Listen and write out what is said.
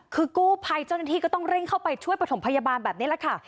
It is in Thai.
คือกู้ภัยเจ้าหน้าที่ก็ต้องเร่งเข้าไปช่วยประถมพยาบาลแบบนี้แหละค่ะ